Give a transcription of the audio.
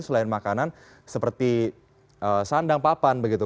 selain makanan seperti sandang papan begitu